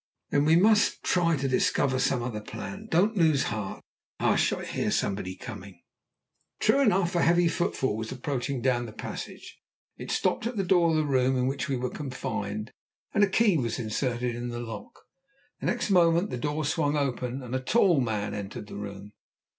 "Then we must try to discover some other plan. Don't lose heart!" "Hush! I hear somebody coming." True enough a heavy footfall was approaching down the passage. It stopped at the door of the room in which we were confined, and a key was inserted in the lock. Next moment the door swung open and a tall man entered the room.